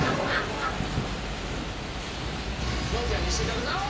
納期は２週間後あぁ！！